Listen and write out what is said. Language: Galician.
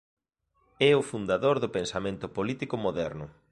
É o fundador do pensamento político moderno.